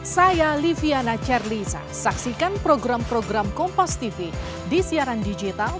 saya liviana charliza saksikan program program kompas tv di siaran digital